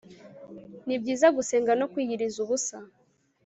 ni byiza gusenga no kwiyiriza ubusa